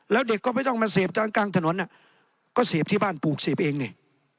แล้วเด็กก็ไม่ต้องมาเสพกลางถนนก็เสพที่บ้านปลูกเสพเองนี่